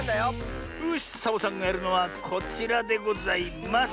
よしサボさんがやるのはこちらでございます。